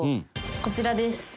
こちらです。